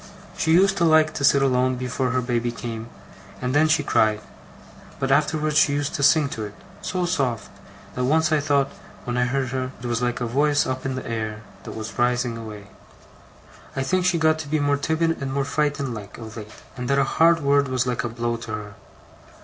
She used to like to sit alone before her baby came, and then she cried; but afterwards she used to sing to it so soft, that I once thought, when I heard her, it was like a voice up in the air, that was rising away. 'I think she got to be more timid, and more frightened like, of late; and that a hard word was like a blow to her.